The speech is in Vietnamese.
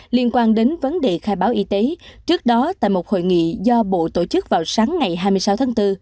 liên quan đến vấn đề khai báo y tế trước đó tại một hội nghị do bộ tổ chức vào sáng ngày hai mươi sáu tháng bốn